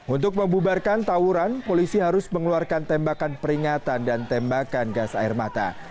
untuk membubarkan tawuran polisi harus mengeluarkan tembakan peringatan dan tembakan gas air mata